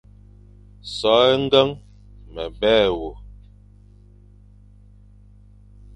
So é ñgeñ me be wé,